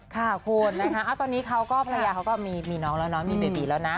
ค่ะโคตรนะคะตอนนี้เขาก็มีน้องแล้วเนาะมีเบบีแล้วนะ